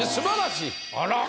あら。